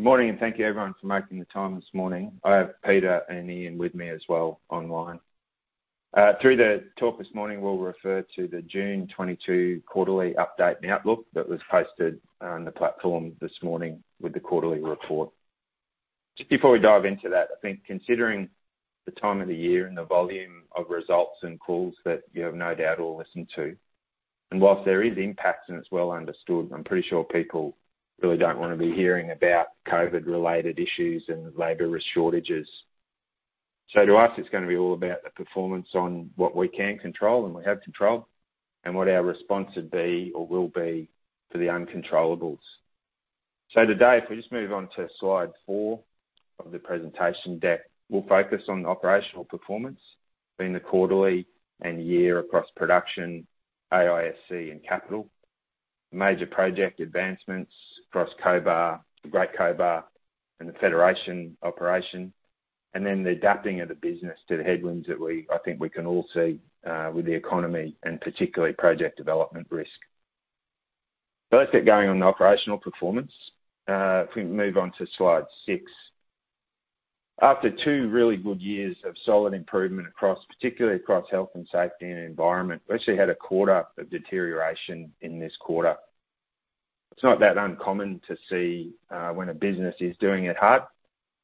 Good morning, and thank you everyone for making the time this morning. I have Peter and Ian with me as well online. Through the talk this morning, we'll refer to the June 2022 quarterly update and outlook that was posted on the platform this morning with the quarterly report. Just before we dive into that, I think considering the time of the year and the volume of results and calls that you have no doubt all listened to, and while there is impact and it's well understood, I'm pretty sure people really don't wanna be hearing about COVID-related issues and labor risk shortages. To us, it's gonna be all about the performance on what we can control and we have control, and what our response would be or will be to the uncontrollables. Today, if we just move on to slide four of the presentation deck, we'll focus on the operational performance in the quarterly and year across production, AISC and capital, major project advancements across Cobar, the Great Cobar and the Federation operation, and then the adapting of the business to the headwinds that we, I think we can all see, with the economy and particularly project development risk. Let's get going on the operational performance. If we can move on to slide six. After two really good years of solid improvement across, particularly health and safety and environment, we actually had a quarter of deterioration in this quarter. It's not that uncommon to see, when a business is doing it hard,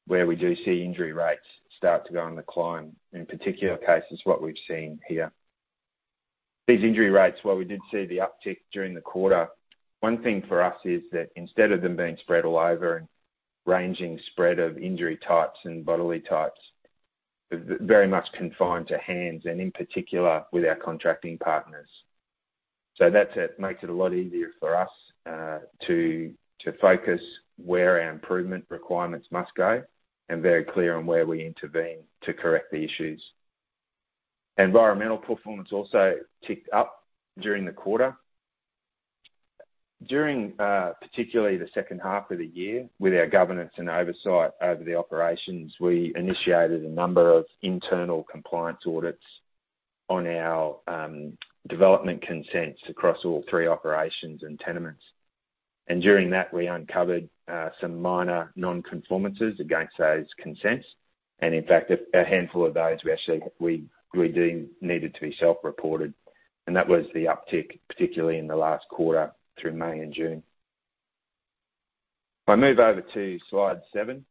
where we do see injury rates start to go on the climb, in particular cases what we've seen here. These injury rates, while we did see the uptick during the quarter, one thing for us is that instead of them being spread all over and ranging spread of injury types and bodily types, very much confined to hands and in particular with our contracting partners. So that's it. Makes it a lot easier for us to focus where our improvement requirements must go, and very clear on where we intervene to correct the issues. Environmental performance also ticked up during the quarter. During particularly the second half of the year with our governance and oversight over the operations, we initiated a number of internal compliance audits on our Development Consent across all three operations and tenements. During that, we uncovered some minor non-conformances against those consents. In fact, a handful of those we actually needed to be self-reported, and that was the uptick, particularly in the last quarter through May and June. If I move over to slide seven.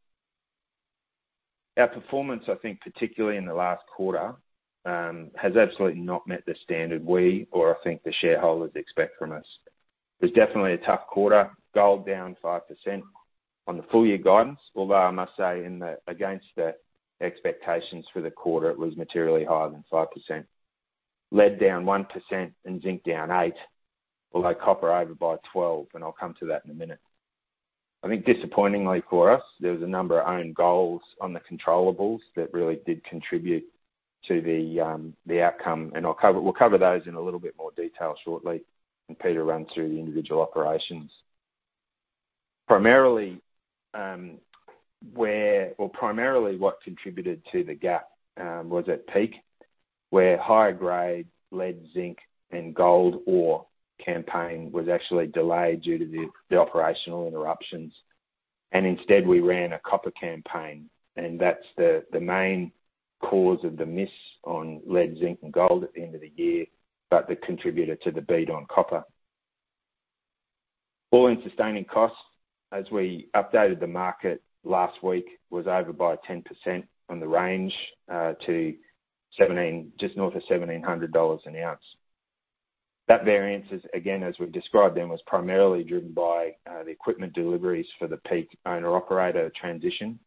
Our performance, I think, particularly in the last quarter, has absolutely not met the standard we or I think the shareholders expect from us. It's definitely a tough quarter. Gold down 5% on the full year guidance, although I must say against the expectations for the quarter, it was materially higher than 5%. Lead down 1% and zinc down 8%, although copper over by 12%, and I'll come to that in a minute. I think disappointingly for us, there was a number of own goals on the controllables that really did contribute to the outcome, and we'll cover those in a little bit more detail shortly when Peter runs through the individual operations. Primarily what contributed to the gap was at Peak, where higher grade lead, zinc and gold ore campaign was actually delayed due to the operational interruptions. Instead, we ran a copper campaign, and that's the main cause of the miss on lead, zinc and gold at the end of the year, but that contributed to the beat on copper. All-in sustaining costs, as we updated the market last week, was over by 10% on the range to 17, just north of 1,700 dollars an ounce. That variance is again, as we've described then, was primarily driven by the equipment deliveries for the Peak owner-operator transition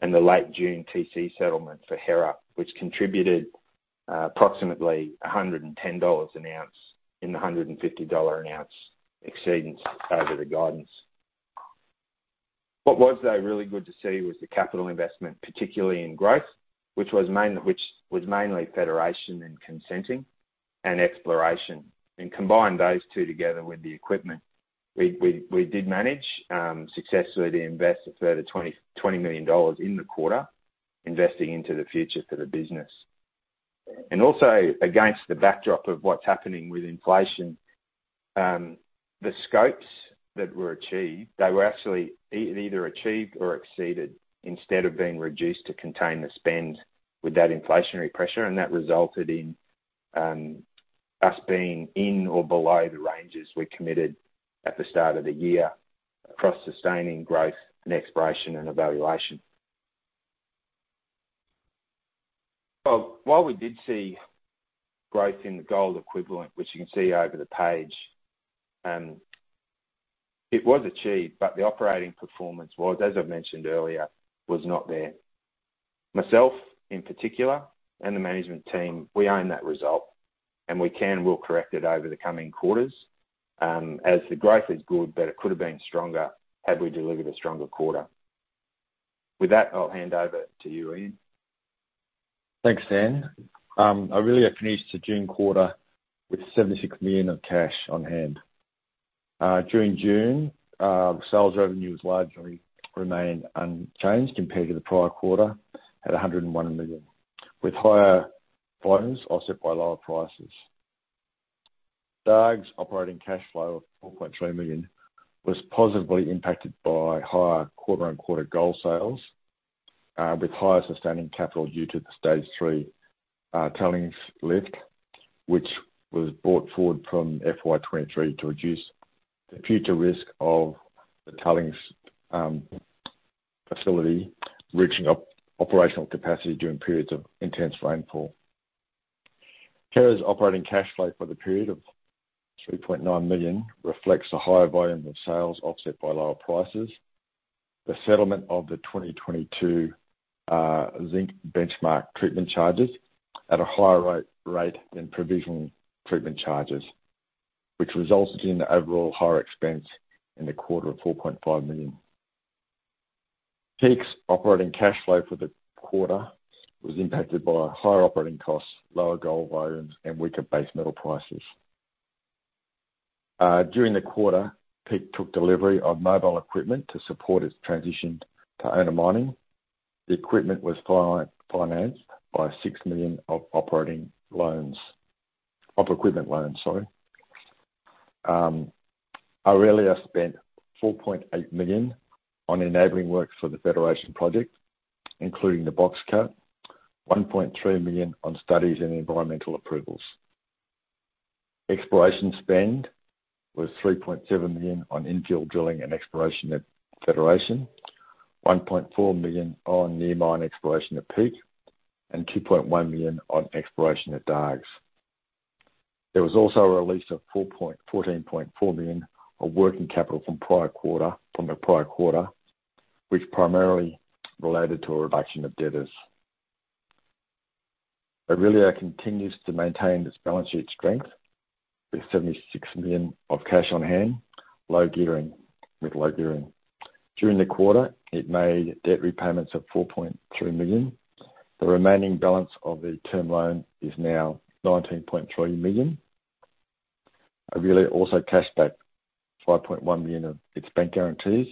and the late June TC settlement for Hera, which contributed approximately 110 dollars an ounce in the 150 dollar an ounce exceedance over the guidance. What was though really good to see was the capital investment, particularly in growth, which was mainly federation and consenting and exploration. Combine those two together with the equipment, we did manage successfully to invest a further 20 million dollars in the quarter, investing into the future for the business. Also against the backdrop of what's happening with inflation, the scopes that were achieved, they were actually either achieved or exceeded instead of being reduced to contain the spend with that inflationary pressure, and that resulted in us being in or below the ranges we committed at the start of the year across sustaining growth and exploration and evaluation. While we did see growth in the gold equivalent, which you can see over the page, it was achieved, but the operating performance was, as I've mentioned earlier, not there. Myself, in particular, and the management team, we own that result, and we can and will correct it over the coming quarters, as the growth is good, but it could have been stronger had we delivered a stronger quarter. With that, I'll hand over to you, Ian. Thanks, Dan. Aurelia finished the June quarter with 76 million of cash on hand. During June, sales revenue has largely remained unchanged compared to the prior quarter at 101 million, with higher volumes offset by lower prices. Dargues's operating cash flow of 4.3 million was positively impacted by higher quarter-on-quarter gold sales, with higher sustaining capital due to the stage three tailings lift, which was brought forward from FY 2023 to reduce the future risk of the tailings facility reaching operational capacity during periods of intense rainfall. Hera's operating cash flow for the period of 3.9 million reflects the higher volume of sales offset by lower prices. The settlement of the 2022 zinc benchmark treatment charges at a higher rate than provisional treatment charges, which resulted in overall higher expense in the quarter of 4.5 million. Peak's operating cash flow for the quarter was impacted by higher operating costs, lower gold volumes, and weaker base metal prices. During the quarter, Peak took delivery of mobile equipment to support its transition to owner mining. The equipment was financed by 6 million of equipment loans. Aurelia spent 4.8 million on enabling work for the Federation project, including the box cut, 1.3 million on studies and environmental approvals. Exploration spend was 3.7 million on infill drilling and exploration at Federation, 1.4 million on near mine exploration at Peak, and 2.1 million on exploration at Dargues. There was also a release of 14.4 million of working capital from the prior quarter, which primarily related to a reduction of debtors. Aurelia continues to maintain its balance sheet strength with 76 million of cash on hand, low gearing. During the quarter, it made debt repayments of 4.3 million. The remaining balance of the term loan is now 19.3 million. Aurelia also cashed back 5.1 million of its bank guarantees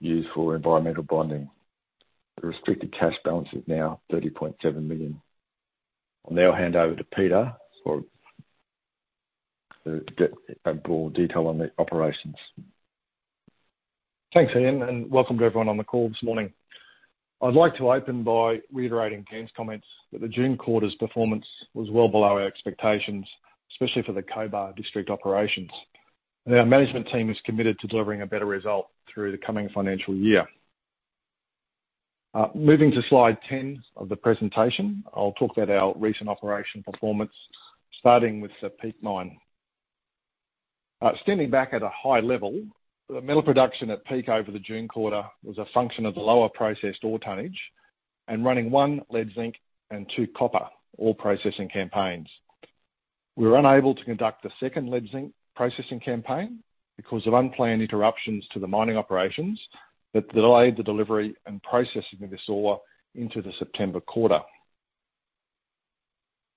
used for environmental bonding. The restricted cash balance is now 30.7 million. I'll now hand over to Peter for more detail on the operations. Thanks, Ian, and welcome to everyone on the call this morning. I'd like to open by reiterating Dan's comments that the June quarter's performance was well below our expectations, especially for the Cobar district operations. Our management team is committed to delivering a better result through the coming financial year. Moving to slide 10 of the presentation, I'll talk about our recent operation performance, starting with the Peak Mine. Standing back at a high level, the metal production at Peak over the June quarter was a function of the lower processed ore tonnage and running one lead-zinc and two copper ore processing campaigns. We were unable to conduct the second lead-zinc processing campaign because of unplanned interruptions to the mining operations that delayed the delivery and processing of this ore into the September quarter.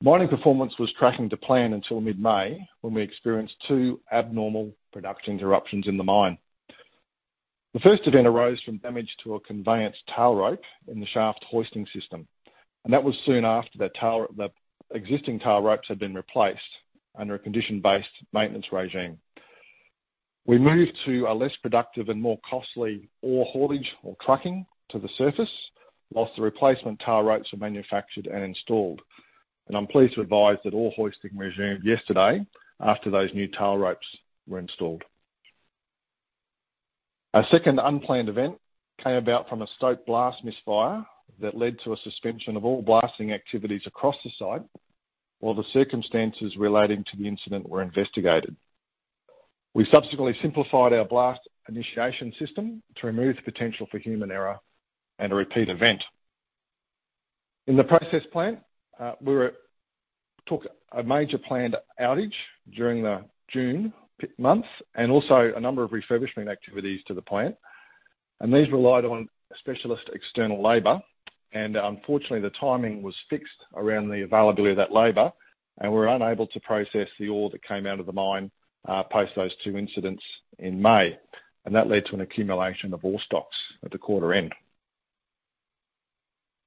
Mining performance was tracking to plan until mid-May, when we experienced two abnormal production interruptions in the mine. The first event arose from damage to a conveyance tail rope in the shaft hoisting system, and that was soon after the existing tail ropes had been replaced under a condition-based maintenance regime. We moved to a less productive and more costly ore haulage or trucking to the surface, while the replacement tail ropes were manufactured and installed. I'm pleased to advise that all hoisting resumed yesterday after those new tail ropes were installed. Our second unplanned event came about from a stope blast misfire that led to a suspension of all blasting activities across the site, while the circumstances relating to the incident were investigated. We subsequently simplified our blast initiation system to remove the potential for human error and a repeat event. In the process plant, we took a major planned outage during the June peak months and also a number of refurbishment activities to the plant. These relied on specialist external labor, and unfortunately, the timing was fixed around the availability of that labor, and we're unable to process the ore that came out of the mine, post those two incidents in May. That led to an accumulation of ore stocks at the quarter end.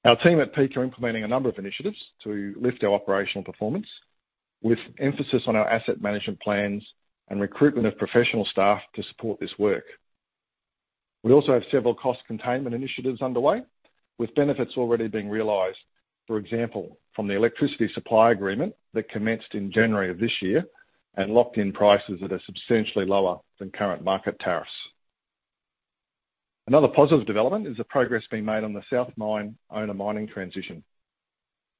Our team at Peak are implementing a number of initiatives to lift our operational performance with emphasis on our asset management plans and recruitment of professional staff to support this work. We also have several cost containment initiatives underway, with benefits already being realized. For example, from the electricity supply agreement that commenced in January of this year and locked in prices that are substantially lower than current market tariffs. Another positive development is the progress being made on the South Mine owner mining transition.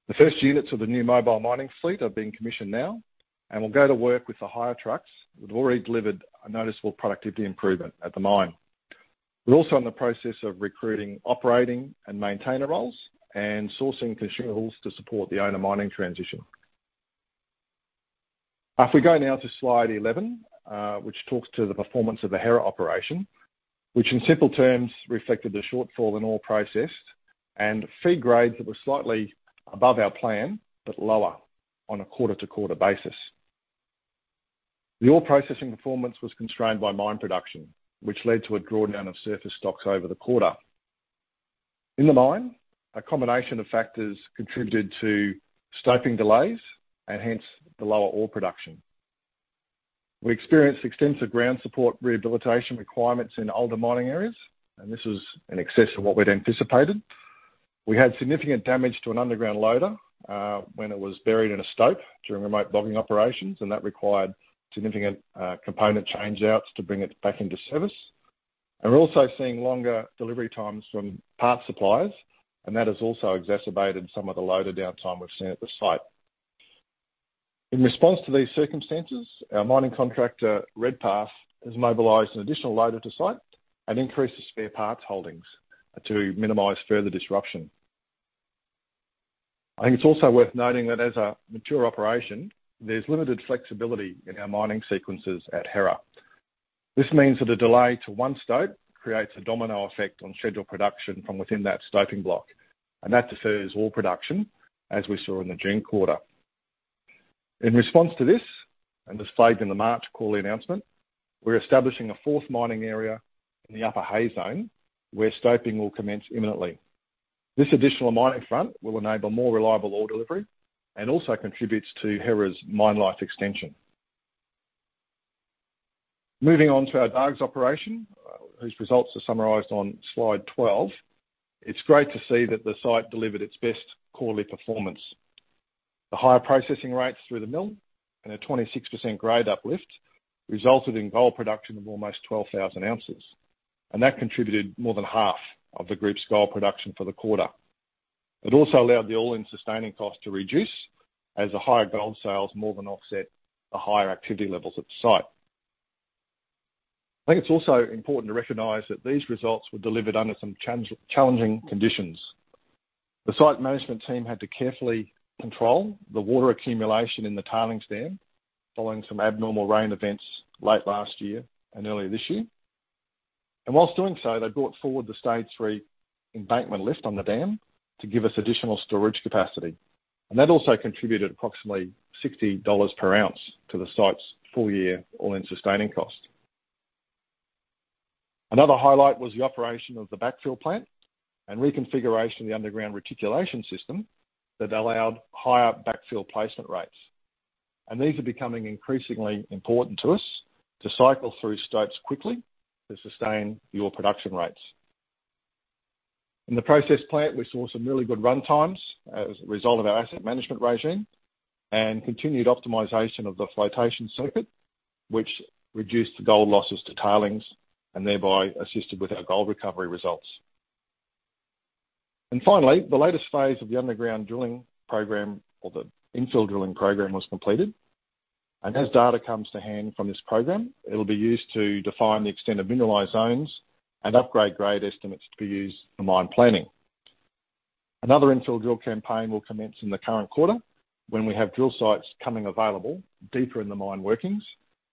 The first units of the new mobile mining fleet are being commissioned now and will go to work with the higher trucks that have already delivered a noticeable productivity improvement at the mine. We're also in the process of recruiting operating and maintainer roles and sourcing consumables to support the owner mining transition. If we go now to slide 11, which talks to the performance of the Hera operation. Which in simple terms reflected a shortfall in ore processed and feed grades that were slightly above our plan, but lower on a quarter-to-quarter basis. The ore processing performance was constrained by mine production, which led to a drawdown of surface stocks over the quarter. In the mine, a combination of factors contributed to stoping delays and hence the lower ore production. We experienced extensive ground support rehabilitation requirements in older mining areas, and this was in excess of what we'd anticipated. We had significant damage to an underground loader when it was buried in a stope during remote bogging operations, and that required significant component change outs to bring it back into service. We're also seeing longer delivery times from parts suppliers, and that has also exacerbated some of the loader downtime we've seen at the site. In response to these circumstances, our mining contractor, Redpath, has mobilized an additional loader to site and increased the spare parts holdings to minimize further disruption. I think it's also worth noting that as a mature operation, there's limited flexibility in our mining sequences at Hera. This means that a delay to one stope creates a domino effect on scheduled production from within that stoping block, and that defers all production, as we saw in the June quarter. In response to this, and as stated in the March call announcement, we're establishing a fourth mining area in the Upper Hays zone, where stoping will commence imminently. This additional mining front will enable more reliable ore delivery and also contributes to Hera's mine life extension. Moving on to our Dargues operation, whose results are summarized on slide twelve. It's great to see that the site delivered its best quarterly performance. The higher processing rates through the mill and a 26% grade uplift resulted in gold production of almost 12,000 ounces. That contributed more than half of the group's gold production for the quarter. It also allowed the all-in sustaining cost to reduce as the higher gold sales more than offset the higher activity levels at the site. I think it's also important to recognize that these results were delivered under some challenging conditions. The site management team had to carefully control the water accumulation in the tailings dam following some abnormal rain events late last year and earlier this year. While doing so, they brought forward the stage 3 embankment lift on the dam to give us additional storage capacity. That also contributed approximately 60 dollars per ounce to the site's full year all-in sustaining cost. Another highlight was the operation of the backfill plant and reconfiguration of the underground reticulation system that allowed higher backfill placement rates. These are becoming increasingly important to us to cycle through stopes quickly to sustain your production rates. In the process plant, we saw some really good runtimes as a result of our asset management regime and continued optimization of the flotation circuit, which reduced the gold losses to tailings and thereby assisted with our gold recovery results. Finally, the latest phase of the underground drilling program or the infill drilling program was completed. As data comes to hand from this program, it'll be used to define the extent of mineralized zones and upgrade grade estimates to be used for mine planning. Another infill drill campaign will commence in the current quarter when we have drill sites coming available deeper in the mine workings,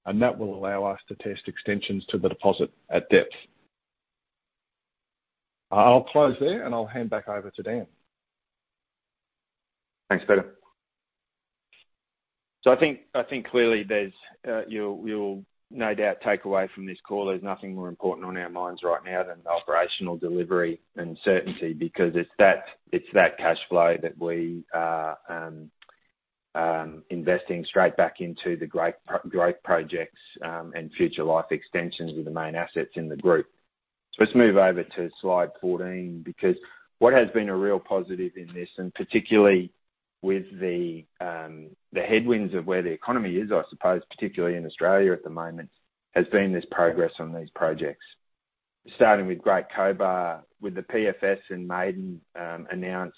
and that will allow us to test extensions to the deposit at depth. I'll pause there, and I'll hand back over to Dan. Thanks, Peter. I think clearly there's, you'll no doubt take away from this call, there's nothing more important on our minds right now than the operational delivery and certainty because it's that cash flow that we are investing straight back into the great pro-growth projects and future life extensions with the main assets in the group. Let's move over to slide 14 because what has been a real positive in this, and particularly with the headwinds of where the economy is, I suppose, particularly in Australia at the moment, has been this progress on these projects. Starting with Great Cobar, with the PFS and Maiden announced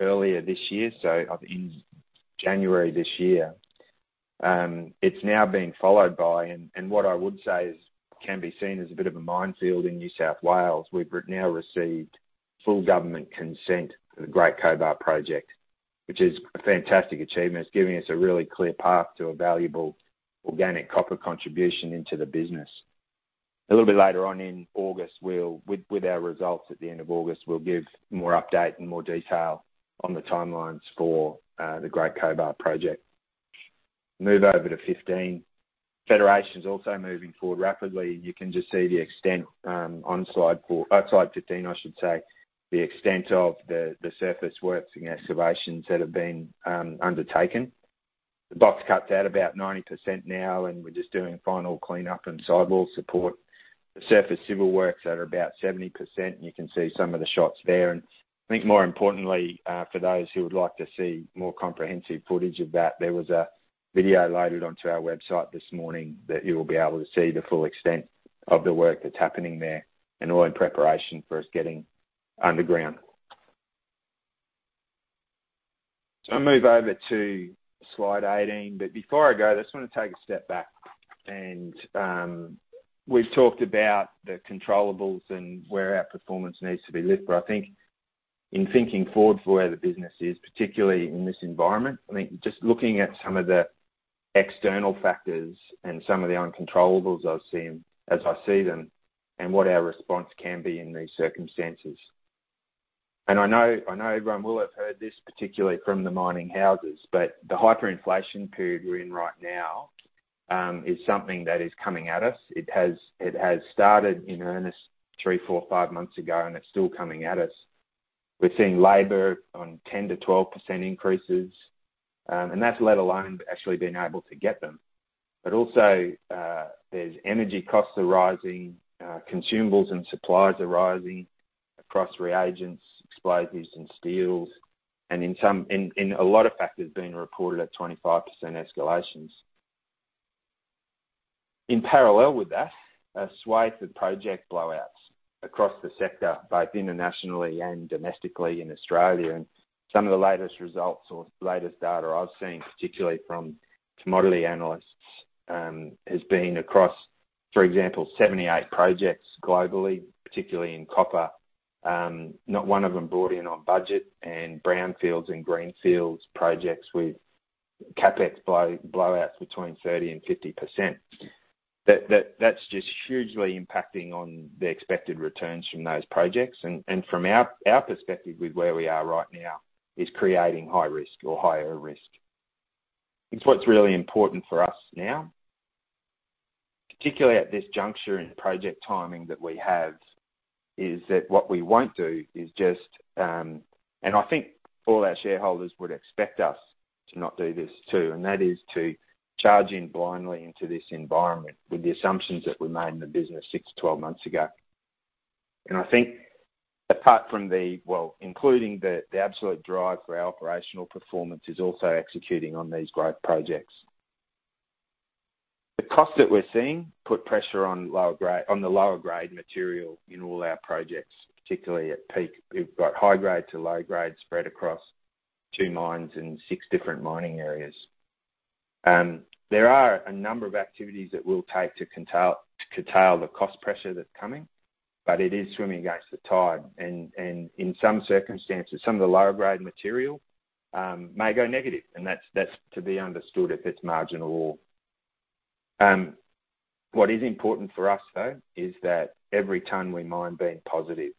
earlier this year, so I think January this year. It's now being followed by what I would say is can be seen as a bit of a minefield in New South Wales. We've now received full government consent for the Great Cobar project, which is a fantastic achievement. It's giving us a really clear path to a valuable organic copper contribution into the business. A little bit later on in August, with our results at the end of August, we'll give more update and more detail on the timelines for the Great Cobar project. Move over to 15. Federation's also moving forward rapidly. You can just see the extent on slide four, slide 15, I should say, the extent of the surface works and excavations that have been undertaken. The box cut's at about 90% now, and we're just doing final cleanup and sidewall support. The surface civil works are about 70%. You can see some of the shots there. I think more importantly, for those who would like to see more comprehensive footage of that, there was a video loaded onto our website this morning that you'll be able to see the full extent of the work that's happening there and all in preparation for us getting underground. I'll move over to slide 18, but before I go, I just wanna take a step back and, we've talked about the controllables and where our performance needs to be lifted. I think in thinking forward for where the business is, particularly in this environment, I mean, just looking at some of the external factors and some of the uncontrollables I've seen, as I see them, and what our response can be in these circumstances. I know everyone will have heard this, particularly from the mining houses, but the hyperinflation period we're in right now is something that is coming at us. It has started in earnest three, four, five months ago, and it's still coming at us. We're seeing labor on 10%-12% increases, and that's let alone actually being able to get them. But also, there are energy costs rising, consumables and supplies are rising across reagents, explosives and steels, and in a lot of factors being reported at 25% escalations. In parallel with that, a swath of project blowouts across the sector, both internationally and domestically in Australia. Some of the latest results or latest data I've seen, particularly from commodity analysts, has been across, for example, 78 projects globally, particularly in copper. Not one of them brought in on budget and brownfields and greenfields projects with CapEx blowouts between 30% and 50%. That's just hugely impacting on the expected returns from those projects. From our perspective with where we are right now is creating high risk or higher risk. It's what's really important for us now, particularly at this juncture in project timing that we have, is that what we won't do is just. I think all our shareholders would expect us to not do this too, and that is to charge in blindly into this environment with the assumptions that we made in the business six to 12 months ago. I think apart from the. Well, including the absolute drive for our operational performance is also executing on these great projects. The cost that we're seeing put pressure on the lower grade material in all our projects, particularly at Peak. We've got high grade to low grade spread across two mines in six different mining areas. There are a number of activities that we'll take to curtail the cost pressure that's coming, but it is swimming against the tide. In some circumstances, some of the lower grade material may go negative, and that's to be understood if it's marginal. What is important for us, though, is that every ton we mine being positive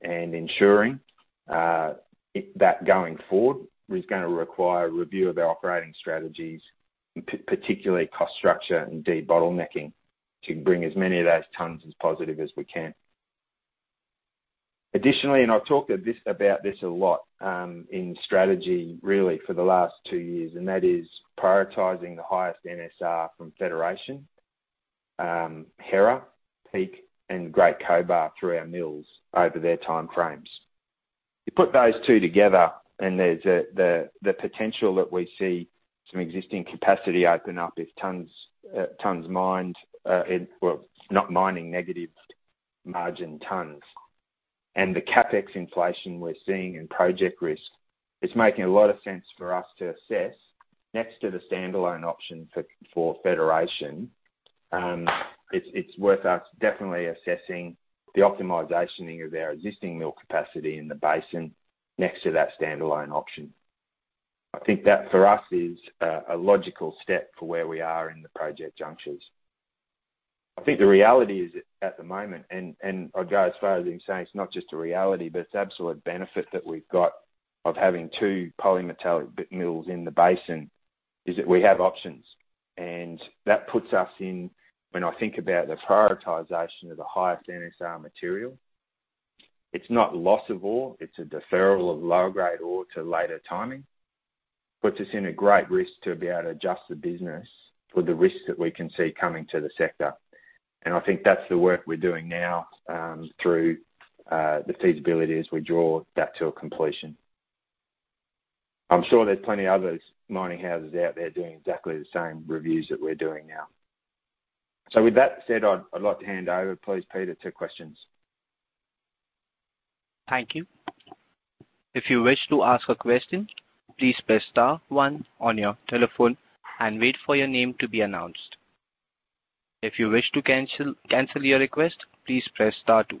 and ensuring that going forward is gonna require review of our operating strategies, particularly cost structure and debottlenecking, to bring as many of those tons as positive as we can. Additionally, I've talked about this a lot in strategy really for the last two years, and that is prioritizing the highest NSR from Federation, Hera, Peak and Great Cobar through our mills over their time frames. You put those two together, and there's the potential that we see some existing capacity open up if tons mined, well, not mining negative margin tons. The CapEx inflation we're seeing and project risk is making a lot of sense for us to assess next to the standalone option for Federation. It's worth us definitely assessing the optimization of our existing mill capacity in the basin next to that standalone option. I think that for us is a logical step for where we are in the project junctures. I think the reality is at the moment, and I'd go as far as in saying it's not just a reality, but it's absolute benefit that we've got of having two polymetallic base mills in the basin is that we have options. That puts us in, when I think about the prioritization of the highest NSR material, it's not loss of ore, it's a deferral of lower grade ore to later timing. Puts us in a great position to be able to adjust the business for the risks that we can see coming to the sector. I think that's the work we're doing now, through the feasibility as we draw that to a completion. I'm sure there's plenty of other mining houses out there doing exactly the same reviews that we're doing now. With that said, I'd like to hand over, please, Peter, to questions. Thank you. If you wish to ask a question, please press star one on your telephone and wait for your name to be announced. If you wish to cancel your request, please press star two.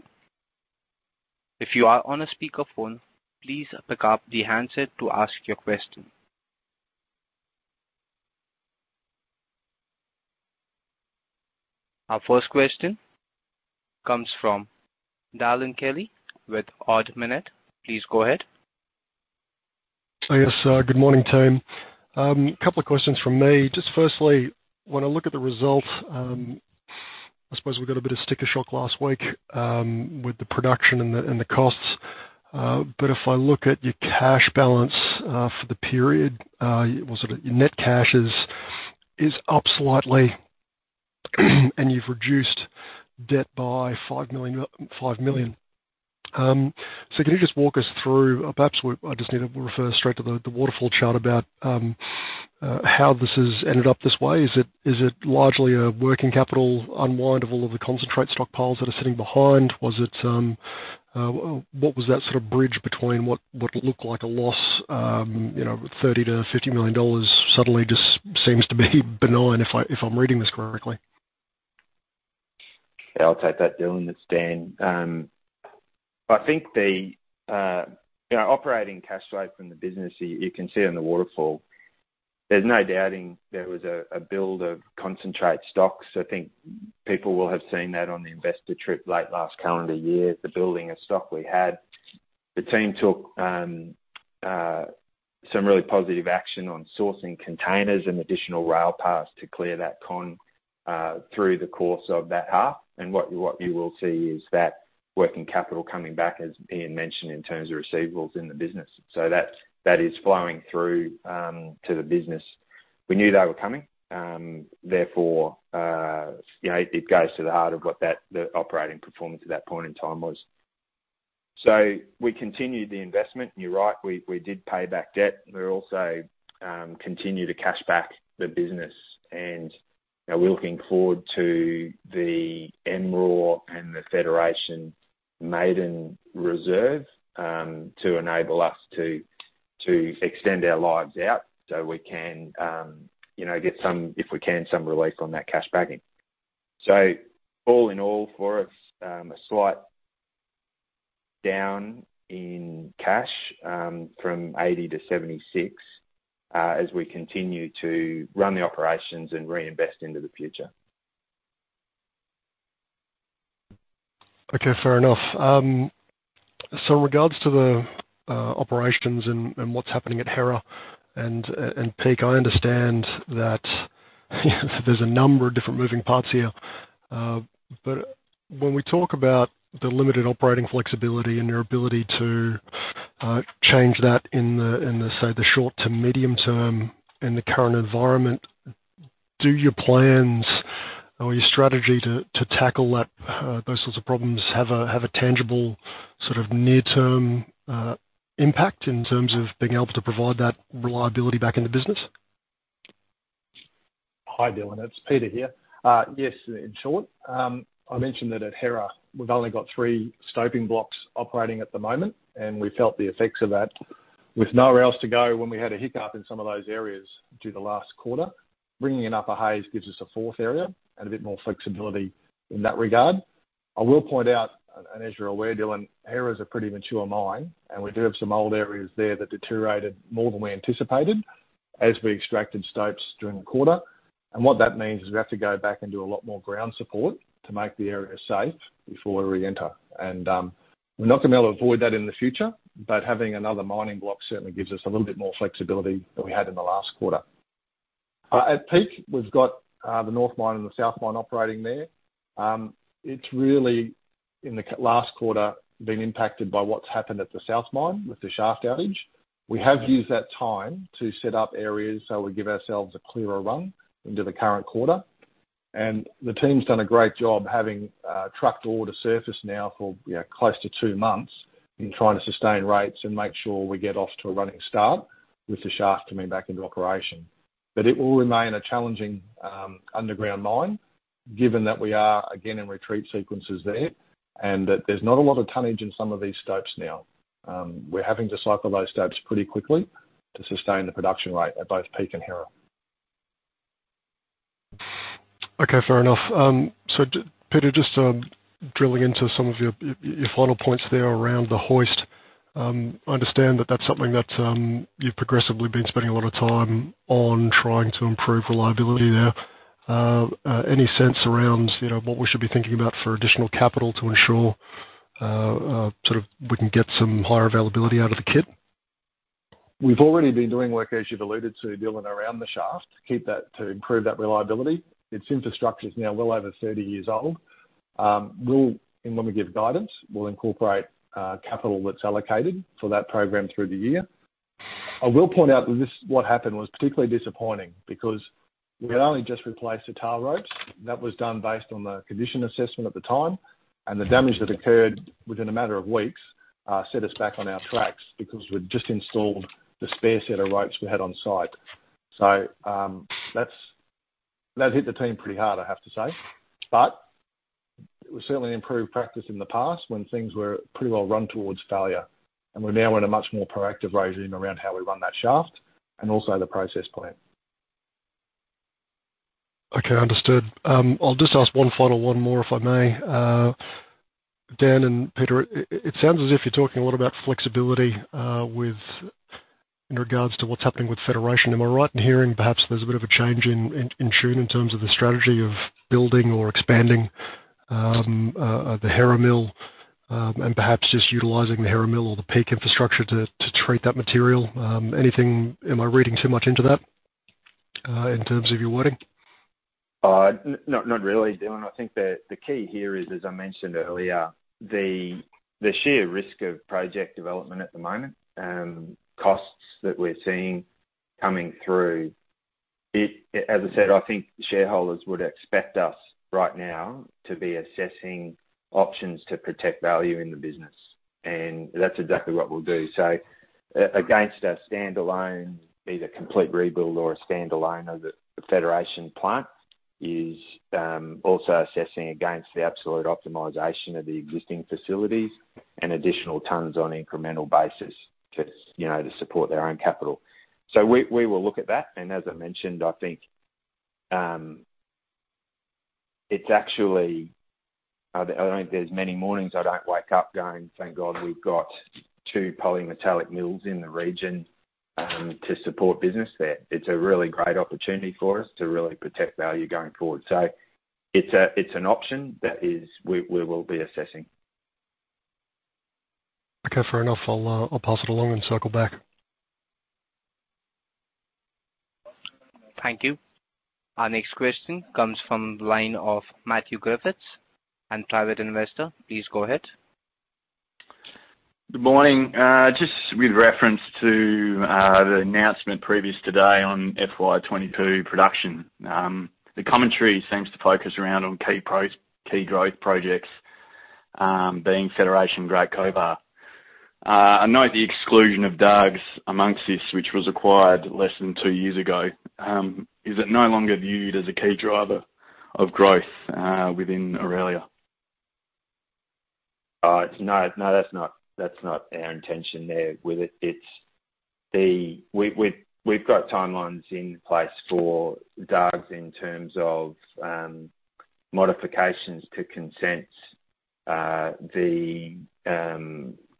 If you are on a speakerphone, please pick up the handset to ask your question. Our first question comes from Dylan Kelly with Ord Minnett. Please go ahead. Yes. Good morning, team. Couple of questions from me. Just firstly, when I look at the results, I suppose we got a bit of sticker shock last week, with the production and the costs. If I look at your cash balance, for the period, well, sort of your net cash is up slightly, and you've reduced debt by 5 million. Can you just walk us through I just need to refer straight to the waterfall chart about how this has ended up this way. Is it largely a working capital unwind of all of the concentrate stockpiles that are sitting behind? Was it what was that sort of bridge between what looked like a loss 30 million-50 million dollars suddenly just seems to be benign, if I'm reading this correctly? Yeah, I'll take that, Dylan. It's Dan. I think the operating cash flow from the business, you can see on the waterfall, there's no doubting there was a build of concentrate stocks. I think people will have seen that on the investor trip late last calendar year, the building of stock we had. The team took some really positive action on sourcing containers and additional rail cars to clear that concentrate through the course of that half. What you will see is that working capital coming back, as Ian mentioned, in terms of receivables in the business. That is flowing through to the business. We knew they were coming, therefore, it goes to the heart of what the operating performance at that point in time was. We continued the investment. You're right, we did pay back debt. We also continue to cash back the business. We're looking forward to the Hera and the Federation Maiden Reserve to enable us to extend our lives out so we can get some, if we can, some relief on that cash backing. All in all, for us, a slight down in cash from 80-76 as we continue to run the operations and reinvest into the future. Okay, fair enough. In regards to the operations and what's happening at Hera and Peak, I understand that there's a number of different moving parts here. When we talk about the limited operating flexibility and your ability to change that in the short to medium term in the current environment, do your plans or your strategy to tackle that those sorts of problems have a tangible sort of near-term impact in terms of being able to provide that reliability back in the business? Hi, Dylan. It's Peter here. Yes, in short, I mentioned that at Hera, we've only got three stoping blocks operating at the moment, and we felt the effects of that. With nowhere else to go when we had a hiccup in some of those areas through the last quarter, bringing in Upper Hays gives us a fourth area and a bit more flexibility in that regard. I will point out, and as you're aware, Dylan, Hera is a pretty mature mine, and we do have some old areas there that deteriorated more than we anticipated as we extracted stopes during the quarter. What that means is we have to go back and do a lot more ground support to make the area safe before we reenter. We're not gonna be able to avoid that in the future, but having another mining block certainly gives us a little bit more flexibility than we had in the last quarter. At Peak, we've got the North Mine and the South Mine operating there. It's really in the last quarter been impacted by what's happened at the South Mine with the shaft outage. We have used that time to set up areas, so we give ourselves a clearer run into the current quarter. The team's done a great job having trucked all to surface now for close to two months in trying to sustain rates and make sure we get off to a running start with the shaft coming back into operation. It will remain a challenging, underground mine, given that we are again in retreat sequences there, and that there's not a lot of tonnage in some of these stopes now. We're having to cycle those stopes pretty quickly to sustain the production rate at both Peak and Hera. Okay, fair enough. Peter, just drilling into some of your final points there around the hoist, I understand that that's something that you've progressively been spending a lot of time on trying to improve reliability there. Any sense around what we should be thinking about for additional capital to ensure sort of we can get some higher availability out of the kit? We've already been doing work, as you've alluded to, Dylan, around the shaft, keep that to improve that reliability. Its infrastructure is now well over 30 years old. When we give guidance, we'll incorporate capital that's allocated for that program through the year. I will point out that this, what happened was particularly disappointing because we had only just replaced the tail ropes. That was done based on the condition assessment at the time, and the damage that occurred within a matter of weeks set us back on our tracks because we just installed the spare set of ropes we had on site. That hit the team pretty hard, I have to say. We certainly improved practice in the past when things were pretty well run towards failure. We're now in a much more proactive regime around how we run that shaft and also the process plant. Okay, understood. I'll just ask one final one more, if I may. Dan and Peter, it sounds as if you're talking a lot about flexibility with in regards to what's happening with Federation. Am I right in hearing, perhaps there's a bit of a change in tune in terms of the strategy of building or expanding the Hera mill, and perhaps just utilizing the Hera mill or the Peak infrastructure to treat that material? Anything? Am I reading too much into that in terms of your wording? Not really, Dylan. I think the key here is, as I mentioned earlier, the sheer risk of project development at the moment, costs that we're seeing coming through. As I said, I think shareholders would expect us right now to be assessing options to protect value in the business, and that's exactly what we'll do. Against a standalone, either complete rebuild or a standalone of the Federation plant is, also assessing against the absolute optimization of the existing facilities and additional tons on incremental basis to support their own capital. We will look at that. As I mentioned, I think, it's actually, I don't think there's many mornings I don't wake up going, "Thank God we've got two polymetallic mills in the region." To support business there. It's a really great opportunity for us to really protect value going forward. It's an option that we will be assessing. Okay, fair enough. I'll pass it along and circle back. Thank you. Our next question comes from the line of Matthew Griffiths, a private investor. Please go ahead. Good morning. Just with reference to the announcement previous today on FY2022 production. The commentary seems to focus around on key growth projects, being Federation Great Cobar. I know the exclusion of Dargues amongst this, which was acquired less than two years ago, is it no longer viewed as a key driver of growth within Aurelia? No, that's not our intention there with it. It's. We've got timelines in place for Dargues in terms of modifications to consents, the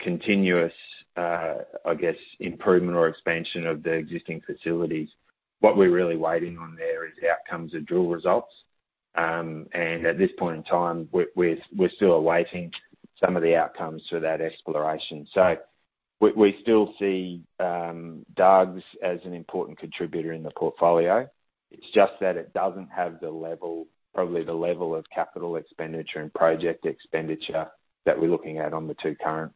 continuous, I guess, improvement or expansion of the existing facilities. What we're really waiting on there is outcomes of drill results. At this point in time, we're still awaiting some of the outcomes for that exploration. We still see Dargues as an important contributor in the portfolio. It's just that it doesn't have the level, probably the level of capital expenditure and project expenditure that we're looking at on the two current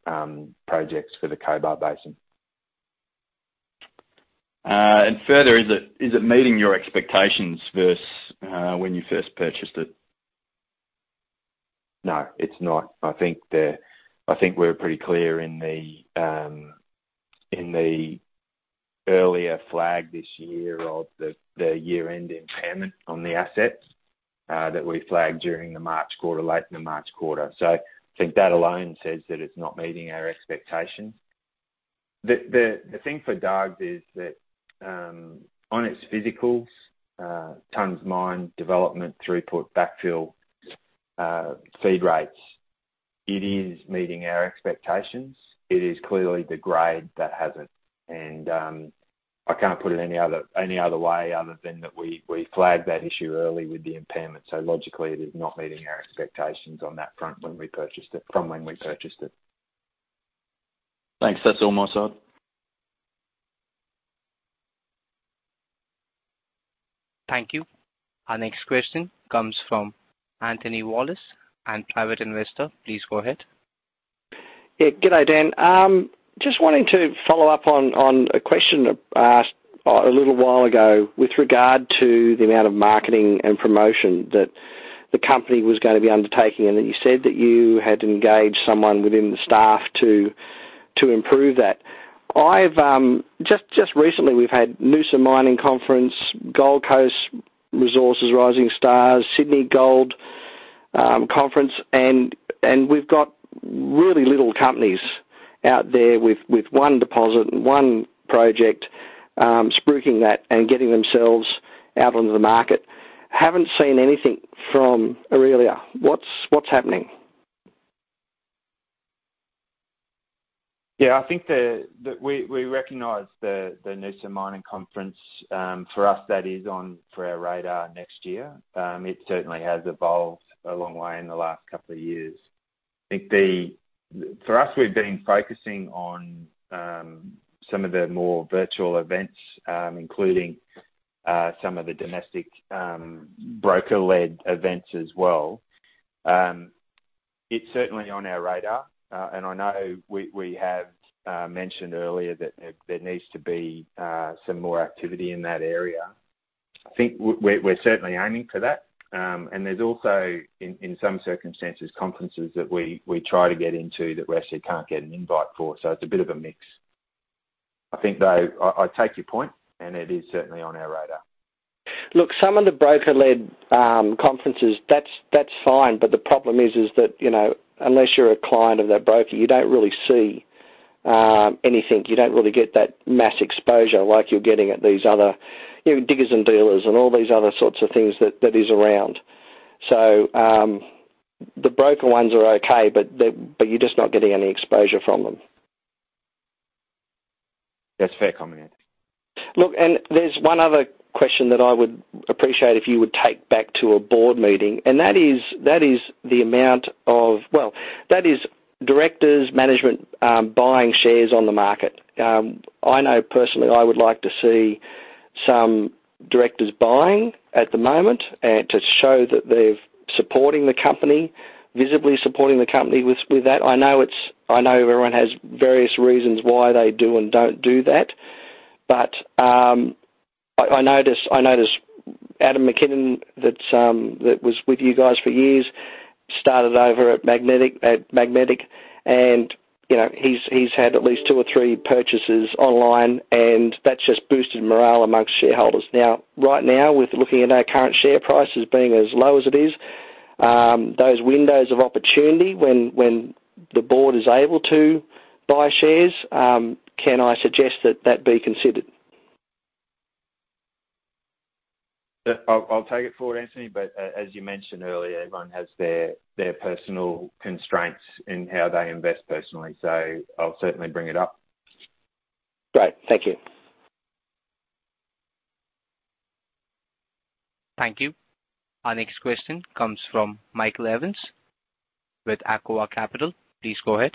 projects for the Cobar Basin. Further, is it meeting your expectations versus when you first purchased it? No, it's not. I think we're pretty clear in the earlier flag this year of the year-end impairment on the assets that we flagged during the March quarter, late in the March quarter. I think that alone says that it's not meeting our expectations. The thing for Dargues is that on its physicals, tonnes mined, development, throughput, backfill, feed rates, it is meeting our expectations. It is clearly the grade that hasn't and I can't put it any other way other than that we flagged that issue early with the impairment. Logically, it is not meeting our expectations on that front when we purchased it. Thanks. That's all my side. Thank you. Our next question comes from Anthony Wallace, Private Investor. Please go ahead. Yeah. Good day, Dan. Just wanting to follow up on a question asked a little while ago with regard to the amount of marketing and promotion that the company was gonna be undertaking, and that you said that you had engaged someone within the staff to improve that. I've just recently we've had Noosa Mining Conference, Gold Coast Resources Rising Stars, Sydney Gold Conference, and we've got really little companies out there with one deposit, one project, spruiking that and getting themselves out onto the market. Haven't seen anything from Aurelia. What's happening? Yeah, I think we recognize the Noosa Mining Conference. For us, that's on our radar next year. It certainly has evolved a long way in the last couple of years. For us, we've been focusing on some of the more virtual events, including some of the domestic broker-led events as well. It's certainly on our radar. I know we have mentioned earlier that there needs to be some more activity in that area. I think we're certainly aiming for that. There's also, in some circumstances, conferences that we try to get into that we actually can't get an invite for. It's a bit of a mix. I think I take your point, and it is certainly on our radar. Look, some of the broker-led conferences, that's fine, but the problem is that unless you're a client of that broker, you don't really see anything. You don't really get that mass exposure like you're getting at these other Diggers & Dealers and all these other sorts of things that is around. The broker ones are okay, but you're just not getting any exposure from them. That's a fair comment. Look, there's one other question that I would appreciate if you would take back to a board meeting, and that is directors, management buying shares on the market. I know personally I would like to see some directors buying at the moment to show that they're supporting the company, visibly supporting the company with that. I know everyone has various reasons why they do and don't do that. I notice Adam McKinnon that was with you guys for years, started over at Magnetic and he's had at least two or three purchases online, and that's just boosted morale among shareholders. Now, right now, with looking at our current share prices being as low as it is, those windows of opportunity when the board is able to buy shares, can I suggest that be considered? I'll take it forward, Anthony, but as you mentioned earlier, everyone has their personal constraints in how they invest personally. I'll certainly bring it up. Great. Thank you. Thank you. Our next question comes from Michael Evans with Acova Capital. Please go ahead.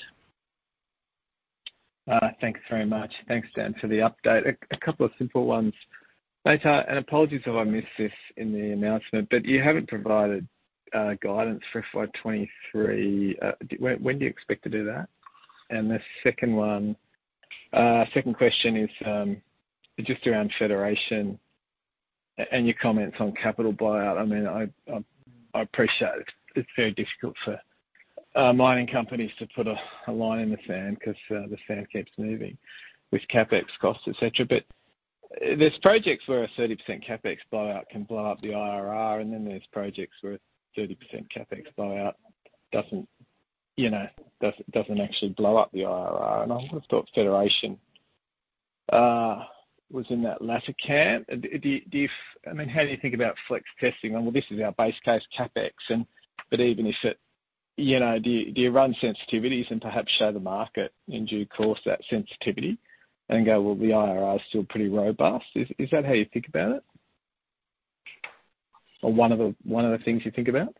Thanks very much. Thanks, Dan, for the update. A couple of simple ones. Lastly, and apologies if I missed this in the announcement, but you haven't provided guidance for FY23. When do you expect to do that? Second question is just around Federation and your comments on capital buyout. I mean, I appreciate it's very difficult for mining companies to put a line in the sand because the sand keeps moving with CapEx costs, et cetera. There's projects where a 30% CapEx buyout can blow up the IRR, and then there's projects where a 30% CapEx buyout doesn't actually blow up the IRR. I would've thought Federation was in that latter camp. Do you f I mean, how do you think about flex testing? Well, this is our base case CapEx and, but even if it do you run sensitivities and perhaps show the market in due course that sensitivity and go, "Well, the IRR is still pretty robust." Is that how you think about it? Or one of the things you think about?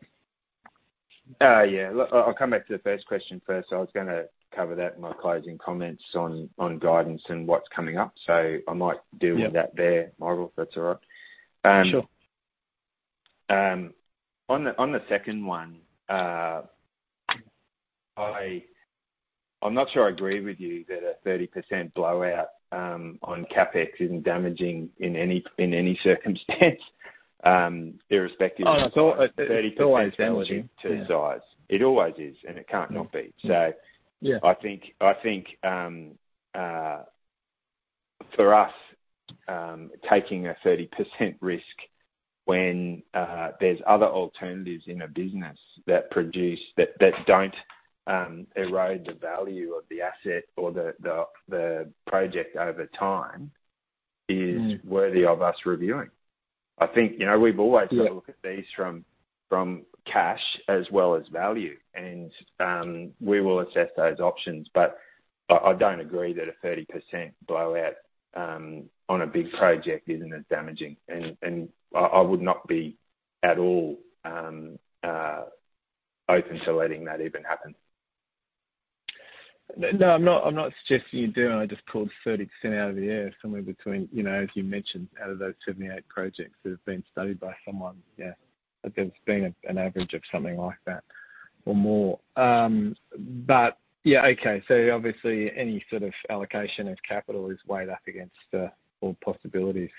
Yeah. I'll come back to the first question first. I was gonna cover that in my closing comments on guidance and what's coming up. I might deal with that there, Michael, if that's all right. Sure. On the second one, I'm not sure I agree with you that a 30% blowout on CapEx isn't damaging in any circumstance, irrespective- Oh, no. It's always damaging. 30% relative to size. It always is, and it can't not be. Mm-hmm. Yeah. I think for us taking a 30% risk when there's other alternatives in a business that don't erode the value of the asset or the project over time is worthy of us reviewing. I think we've always gotta look at these from cash as well as value. We will assess those options. I don't agree that a 30% blowout on a big project isn't as damaging. I would not be at all open to letting that even happen. No, I'm not, I'm not suggesting you do. I just pulled 30% out of the air, somewhere between as you mentioned, out of those 78 projects that have been studied by someone. Yeah. There's been an average of something like that or more. But yeah. Okay. Obviously any sort of allocation of capital is weighed up against all possibilities.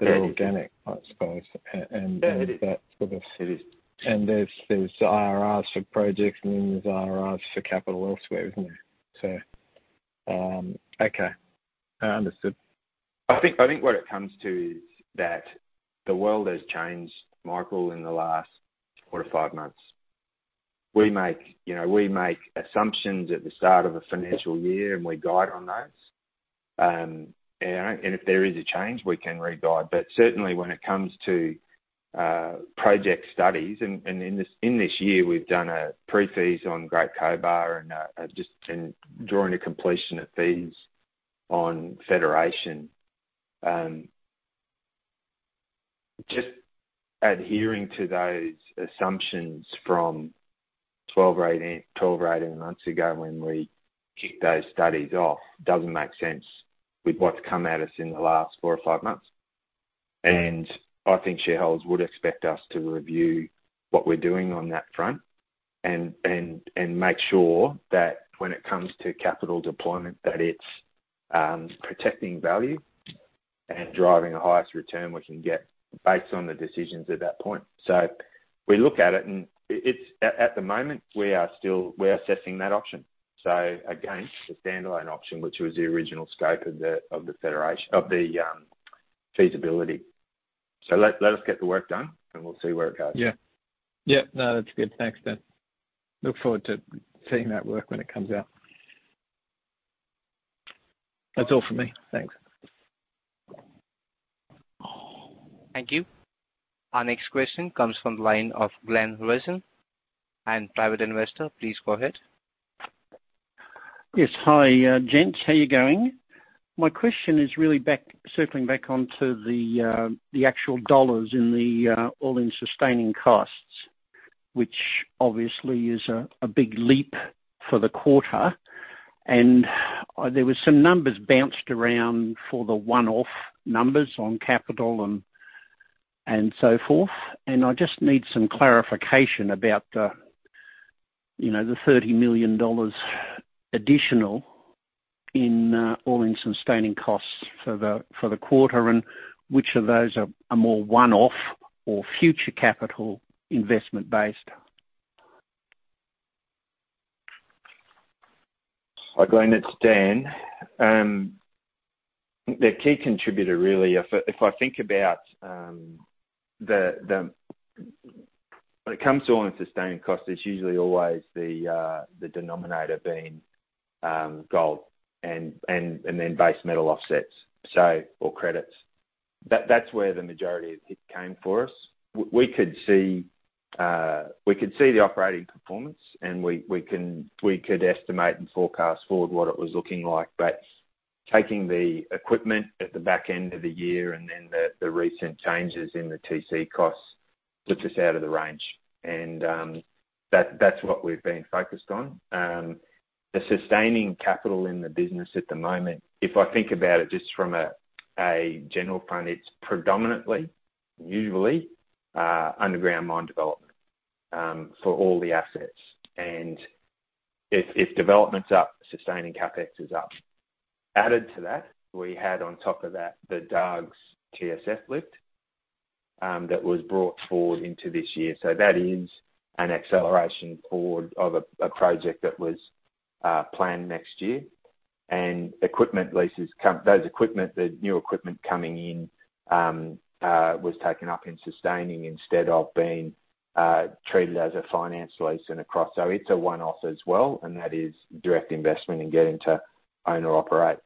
Yeah. that are organic, I suppose, and Yeah, it is. That sort of- It is. There's IRRs for projects, and then there's IRRs for capital elsewhere, isn't there? Okay. Understood. I think what it comes to is that the world has changed, Michael, in the last four to five months. We make assumptions at the start of a financial year, and we guide on those. If there is a change, we can re-guide. Certainly when it comes to project studies, and in this year, we've done a PFS on Great Cobar and just drawing to completion of FS on Federation. Just adhering to those assumptions from 12 or 18 months ago when we kicked those studies off doesn't make sense with what's come at us in the last four five months. I think shareholders would expect us to review what we're doing on that front and make sure that when it comes to capital deployment, that it's protecting value and driving the highest return we can get based on the decisions at that point. We look at it and it's at the moment we're assessing that option. Again, the standalone option, which was the original scope of the feasibility. Let us get the work done, and we'll see where it goes. Yeah. Yeah. No, that's good. Thanks, Dan. Look forward to seeing that work when it comes out. That's all from me. Thanks. Thank you. Our next question comes from the line of Glenn Rosen and private investor. Please go ahead. Yes. Hi, gents. How are you going? My question is really circling back to the actual dollars in the all-in sustaining costs, which obviously is a big leap for the quarter. There was some numbers bounced around for the one-off numbers on capital and so forth. I just need some clarification about the 30 million dollars additional in all-in sustaining costs for the quarter, and which of those are more one-off or future capital investment based. Hi, Glenn. It's Dan. The key contributor really, if I think about when it comes to all-in sustaining cost, it's usually always the denominator being gold and then base metal offsets, so or credits. That's where the majority of it came for us. We could see the operating performance, and we could estimate and forecast forward what it was looking like. Taking the equipment at the back end of the year and then the recent changes in the TC costs put us out of the range, and that's what we've been focused on. The sustaining capital in the business at the moment, if I think about it just from a general point, it's predominantly usually underground mine development for all the assets. If development's up, sustaining CapEx is up. Added to that, we had on top of that, the Dargues TSF lift that was brought forward into this year. That is an acceleration forward of a project that was planned next year. The new equipment coming in was taken up in sustaining instead of being treated as a finance lease and a cost. It's a one-off as well, and that is direct investment in getting to own or operate.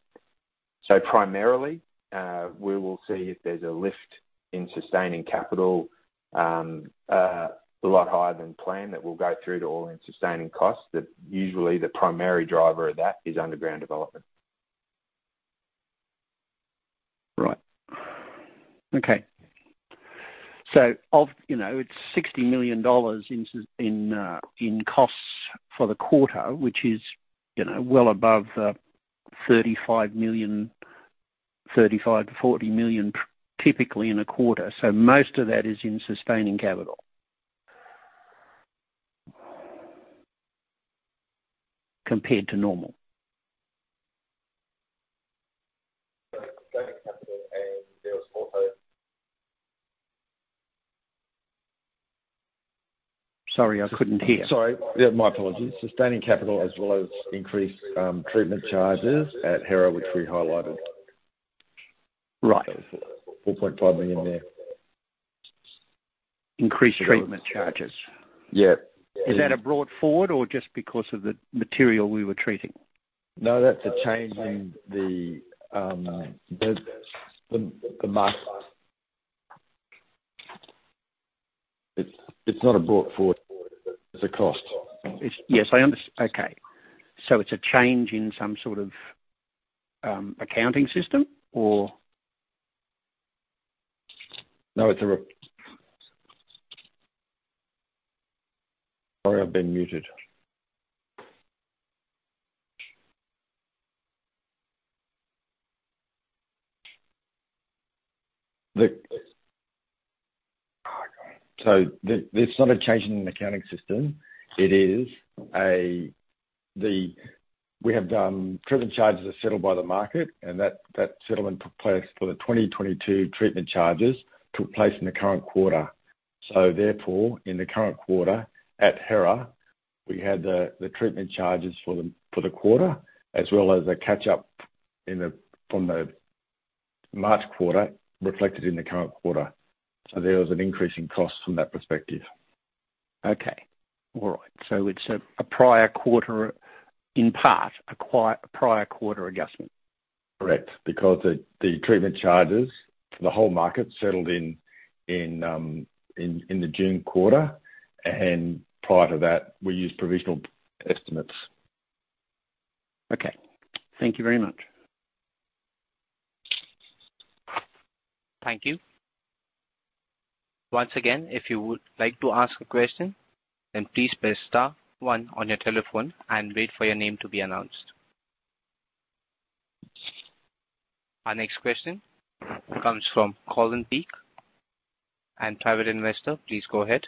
Primarily, we will see if there's a lift in sustaining capital a lot higher than planned that will go through to all-in sustaining costs, that usually, the primary driver of that is underground development. Right. it's 60 million dollars in costs for the quarter, which is well above 35 million, 35 million-40 million typically in a quarter. Most of that is in sustaining capital compared to normal. Sustaining capital and there was also. Sorry, I couldn't hear. Sorry. Yeah, my apologies. Sustaining capital as well as increased treatment charges at Hera, which we highlighted. Right. 4.5 million there. Increased treatment charges? Yeah. Is that a brought forward or just because of the material we were treating? No, that's a change in the market. It's not a brought forward. It's a cost. Okay. It's a change in some sort of accounting system or? No. Sorry, I've been muted. Oh, God. There's not a change in the accounting system. The treatment charges are settled by the market, and that settlement took place for the 2022 treatment charges in the current quarter. Therefore, in the current quarter at Hera, we had the treatment charges for the quarter, as well as a catch-up from the March quarter reflected in the current quarter. There was an increase in cost from that perspective. It's a prior quarter adjustment in part. Correct. Because the treatment charges for the whole market settled in the June quarter, and prior to that, we used provisional estimates. Okay. Thank you very much. Thank you. Once again, if you would like to ask a question, then please press star one on your telephone and wait for your name to be announced. Our next question comes from Colin Peak, Private Investor. Please go ahead.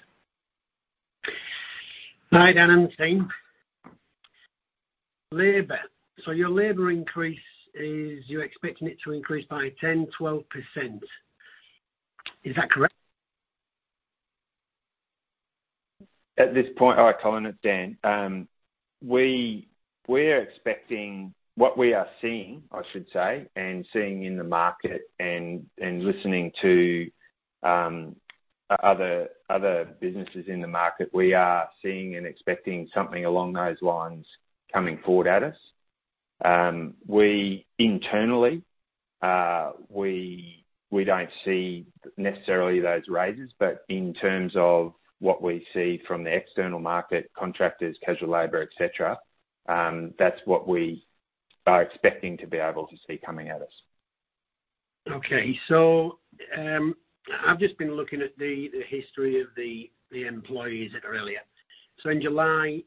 Hi, Dan, and team. Labor. Your labor increase is you're expecting it to increase by 10%-12%. Is that correct? At this point, hi, Colin, it's Dan. We're expecting what we are seeing, I should say, and seeing in the market and listening to other businesses in the market, we are seeing and expecting something along those lines coming forward at us. We internally, we don't see necessarily those raises, but in terms of what we see from the external market, contractors, casual labor, et cetera, that's what we are expecting to be able to see coming at us. Okay. I've just been looking at the history of the employees at Aurelia. In July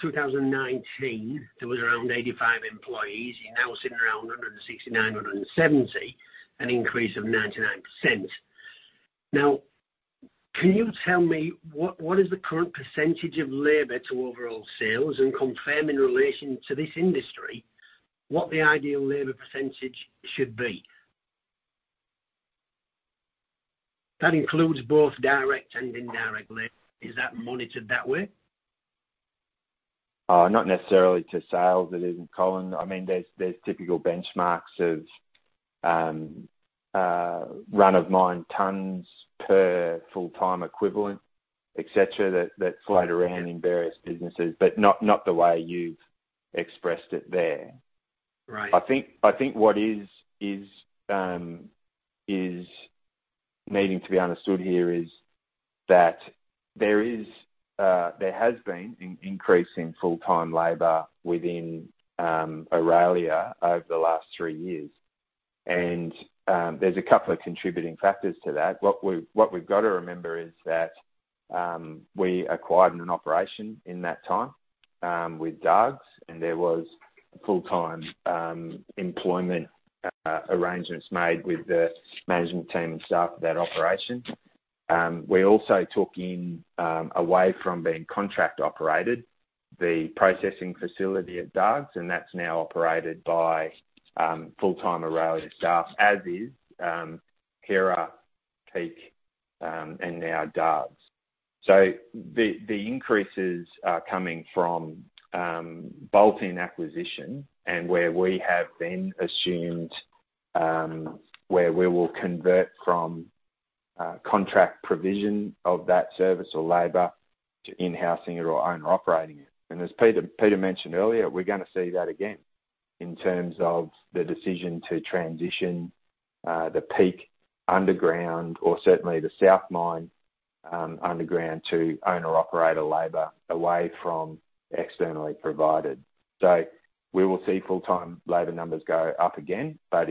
2019, there was around 85 employees. You're now sitting around 169, 170, an increase of 99%. Now, can you tell me what is the current percentage of labor to overall sales and confirm in relation to this industry what the ideal labor percentage should be? That includes both direct and indirect labor. Is that monitored that way? Not necessarily to sales, it isn't, Colin. I mean, there's typical benchmarks of run of mine tons per full-time equivalent, et cetera, that float around in various businesses, but not the way you've expressed it there. Right. I think what is needing to be understood here is that there has been increase in full-time labor within Aurelia over the last three years. There's a couple of contributing factors to that. What we've got to remember is that we acquired an operation in that time with Dargues, and there was full-time employment arrangements made with the management team and staff for that operation. We also took away from being contract operated, the processing facility at Dargues, and that's now operated by full-time Aurelia staff as is Hera, Peak, and now Dargues. The increases are coming from bolting acquisition and where we will convert from contract provision of that service or labor to in-housing it or owner operating it. As Peter mentioned earlier, we're gonna see that again in terms of the decision to transition the Peak Underground, or certainly the South Mine underground to owner operator labor away from externally provided. We will see full-time labor numbers go up again, but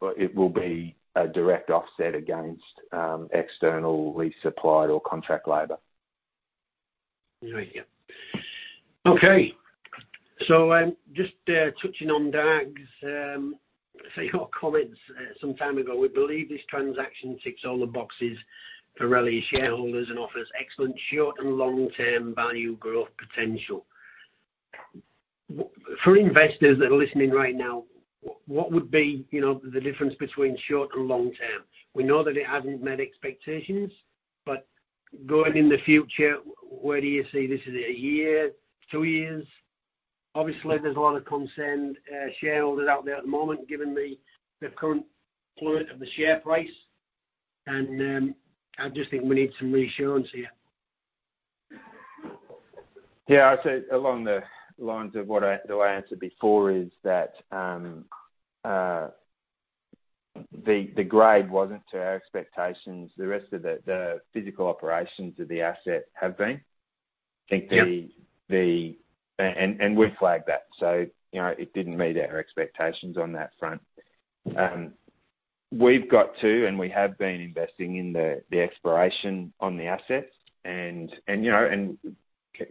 well, it will be a direct offset against externally supplied or contract labor. Just touching on Dargues, say, your comments some time ago, we believe this transaction ticks all the boxes for Aurelia shareholders and offers excellent short and long-term value growth potential. For investors that are listening right now, what would be the difference between short and long term? We know that it hasn't met expectations, but going in the future, where do you see this? Is it a year, two years? Obviously, there's a lot of concerned shareholders out there at the moment, given the current plight of the share price, and I just think we need some reassurance here. Yeah. I'd say along the lines of what I answered before is that, the grade wasn't to our expectations. The rest of the physical operations of the asset have been. Yeah. I think we flagged that, so it didn't meet our expectations on that front. We've got to and we have been investing in the exploration on the assets and cost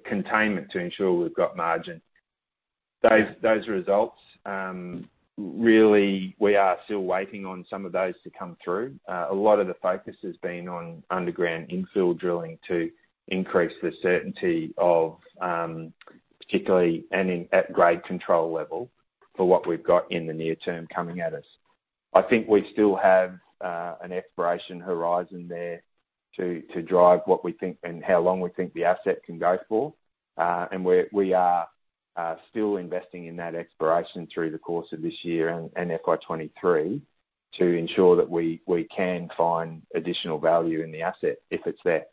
containment to ensure we've got margin. Those results, really we are still waiting on some of those to come through. A lot of the focus has been on underground infill drilling to increase the certainty of, particularly any grade control level for what we've got in the near term coming at us. I think we still have an exploration horizon there to drive what we think and how long we think the asset can go for. We are still investing in that exploration through the course of this year and FY2023 to ensure that we can find additional value in the asset if it's there.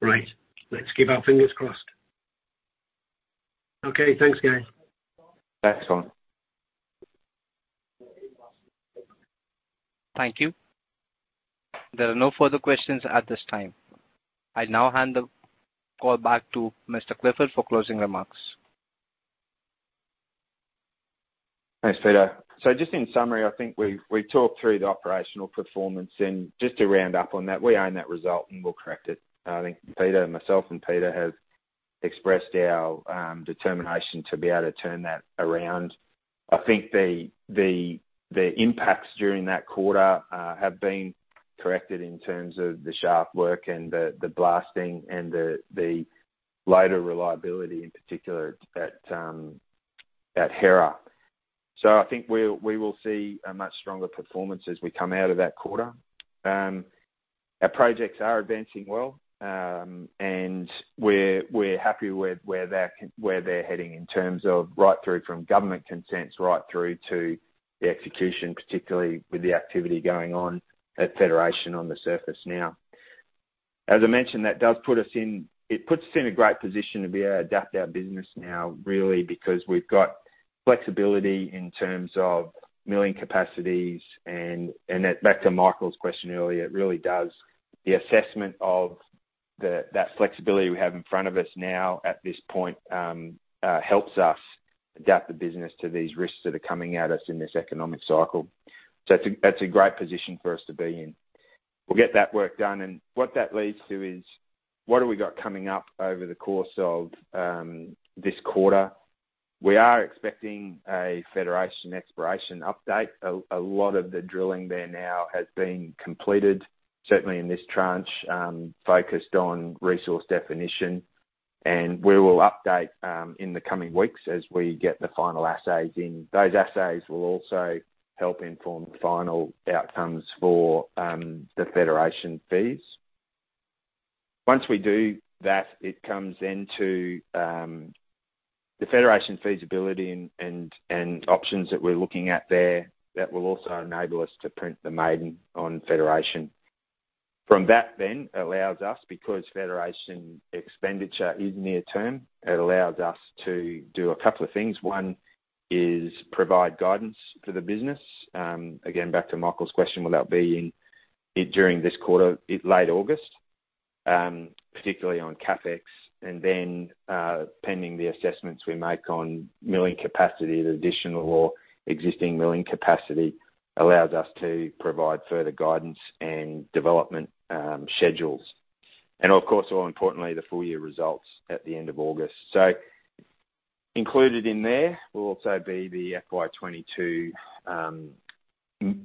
Right. Let's keep our fingers crossed. Okay, thanks, Dan Clifford. Thanks, Colin. Thank you. There are no further questions at this time. I now hand the call back to Mr. Clifford for closing remarks. Thanks, Peter. Just in summary, I think we talked through the operational performance. Just to round up on that, we own that result, and we'll correct it. I think Peter, myself and Peter have expressed our determination to be able to turn that around. I think the impacts during that quarter have been corrected in terms of the shaft work and the blasting and the loader reliability in particular at Hera. I think we will see a much stronger performance as we come out of that quarter. Our projects are advancing well, and we're happy with where they're heading in terms of right through from government consents right through to the execution, particularly with the activity going on at Federation on the surface now. As I mentioned, it puts us in a great position to be able to adapt our business now really because we've got flexibility in terms of milling capacities. Back to Michael's question earlier, it really does. The assessment of that flexibility we have in front of us now at this point helps us adapt the business to these risks that are coming at us in this economic cycle. That's a great position for us to be in. We'll get that work done. What that leads to is what we have got coming up over the course of this quarter. We are expecting a Federation exploration update. A lot of the drilling there now has been completed, certainly in this tranche, focused on resource definition, and we will update in the coming weeks as we get the final assays in. Those assays will also help inform the final outcomes for the Federation PFS. Once we do that, it comes into the Federation feasibility and options that we're looking at there that will also enable us to print the maiden on Federation. From that then allows us, because Federation expenditure is near term, it allows us to do a couple of things. One is provide guidance for the business, again, back to Michael's question, will that be in during this quarter, it's late August, particularly on CapEx. Pending the assessments we make on milling capacity, the additional or existing milling capacity allows us to provide further guidance and development schedules. Of course, more importantly, the full year results at the end of August. Included in there will also be the FY2022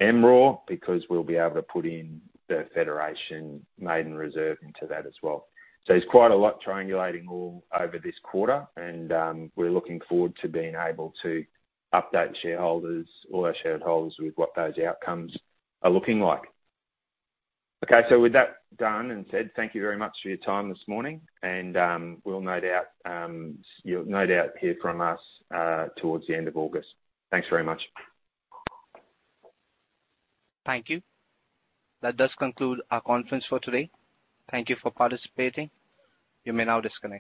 MRO because we'll be able to put in the Federation maiden reserve into that as well. There's quite a lot triangulating all over this quarter, and we're looking forward to being able to update shareholders, all our shareholders with what those outcomes are looking like. Okay. With that done and said, thank you very much for your time this morning and we'll no doubt, you'll no doubt hear from us towards the end of August. Thanks very much. Thank you. That does conclude our conference for today. Thank you for participating. You may now disconnect.